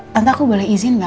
tante aku boleh izin nggak